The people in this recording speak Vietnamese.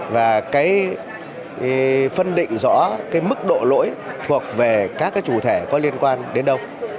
và phân định rõ mức độ lỗi thuộc về các chủ thể có liên quan đến đâu